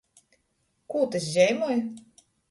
Kū tys zeimoj?